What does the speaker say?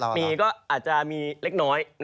ถ้าจะมีก็อาจจะมีเล็กน้อย